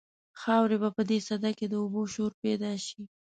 خاورې به په دې سده کې د اوبو شور پیدا شي.